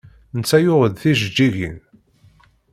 Netta yuɣ-d tijeǧǧigin.